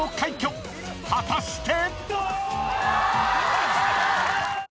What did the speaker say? ［果たして？］